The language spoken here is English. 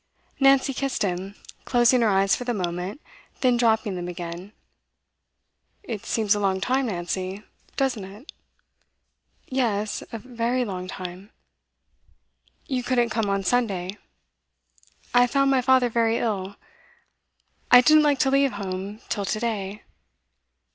Nancy kissed him, closing her eyes for the moment, then dropping them again. 'It seems a long time, Nancy doesn't it?' 'Yes a very long time.' 'You couldn't come on Sunday?' 'I found my father very ill. I didn't like to leave home till to day.